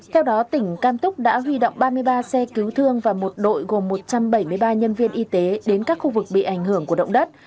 theo đó tỉnh cam túc đã huy động ba mươi ba xe cứu thương và một đội gồm một trăm bảy mươi ba nhân viên y tế đến các khu vực bị ảnh hưởng của động đất